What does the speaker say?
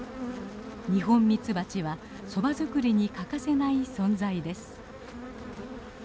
ニホンミツバチはソバ作りに欠かせない存在です。